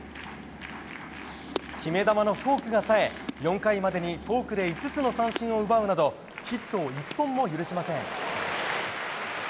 決め球のフォークがさえ４回までにフォークで５つの三振を奪うなどヒットを１本も許しません。